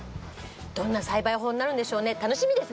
どんな栽培法になるんでしょうね楽しみですね。